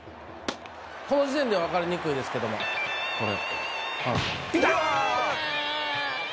この時点では分かりにくいですけどもこれ。